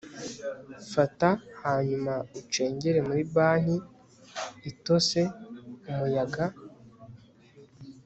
Fata hanyuma ucengere muri banki itose Umuyaga